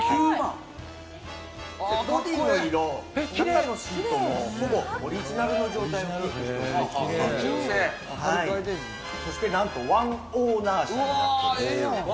ボディーの色、中のシートもほぼオリジナルの状態でそしてなんとワンオーナーとなっています。